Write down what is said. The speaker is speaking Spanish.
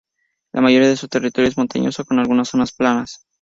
La mayoría de su territorio es montañoso con algunas zonas planas.